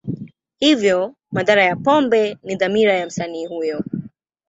Hivyo, madhara ya pombe ni dhamira ya msanii huyo.